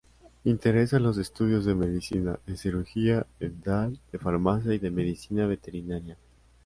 Interesa los estudios de medicina, de cirugía dental, de farmacia y de medicina veterinaria.